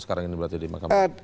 sekarang ini berarti di mahkamah